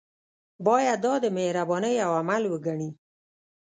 باید دا د مهربانۍ یو عمل وګڼي.